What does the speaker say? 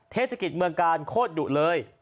เทศกิจเมืองกาลโคตรดุเลย